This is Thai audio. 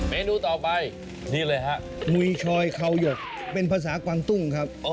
เมนูต่อไปนี่เลยฮะมุยชอยเขาหยกเป็นภาษากวางตุ้งครับ